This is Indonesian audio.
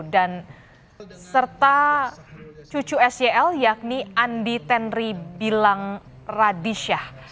serta cucu seyl yakni andi tenri bilang radisyah